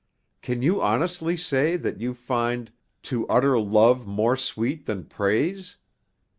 Can you honestly say that you find 'to utter love more sweet than praise'?